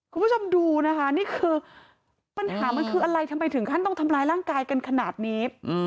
คุณผู้ชมดูนะคะนี่คือปัญหามันคืออะไรทำไมถึงขั้นต้องทำร้ายร่างกายกันขนาดนี้